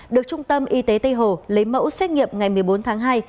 được trung tâm y tế tây hồ lấy mẫu xét nghiệm ngày một mươi bốn tháng hai